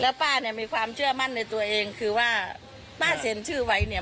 ป้าเนี่ยมีความเชื่อมั่นในตัวเองคือว่าป้าเซ็นชื่อไว้เนี่ย